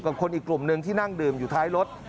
คนอีกกลุ่มหนึ่งที่นั่งดื่มอยู่ท้ายรถ